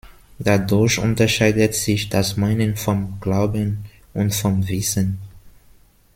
Dadurch unterscheidet sich das Meinen vom Glauben und vom Wissen.